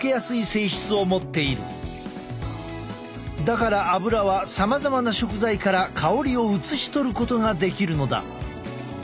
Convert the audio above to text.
だからアブラはさまざまな食材から香りを移しとることができるのだ。